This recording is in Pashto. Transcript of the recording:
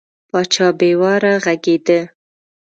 پاچا بې واره غږېده.